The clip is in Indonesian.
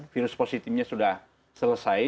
virus positifnya sudah selesai